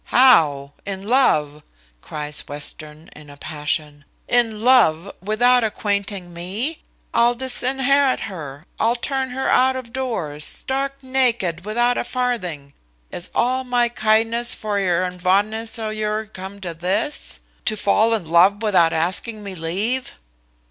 "How! in love!" cries Western, in a passion; "in love, without acquainting me! I'll disinherit her; I'll turn her out of doors, stark naked, without a farthing. Is all my kindness vor 'ur, and vondness o'ur come to this, to fall in love without asking me leave?"